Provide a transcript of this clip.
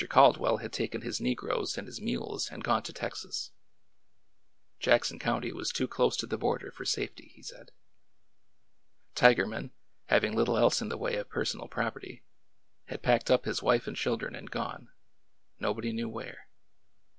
Caldwell had taken his negroes and his mules and gone to Texas. Jackson County was too close to the border for safety, he said. Tigerman, having little else in the way of personal property, had packed up his wife and children and gone— nobody knew where.